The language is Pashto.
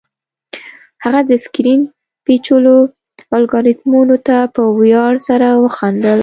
هغه د سکرین پیچلو الګوریتمونو ته په ویاړ سره وخندل